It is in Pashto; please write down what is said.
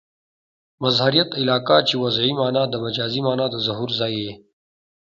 مظهریت علاقه؛ چي وضعي مانا د مجازي مانا د ظهور ځای يي.